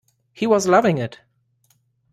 He was loving it!